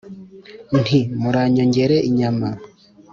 Nti: “Muranyongere inyama